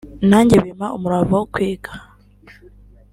nanjye bimpa umurava wo kwiga